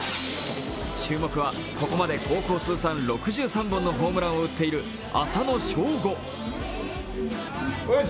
注目は、ここまで高校通算６３本のホームランを打っている浅野翔吾。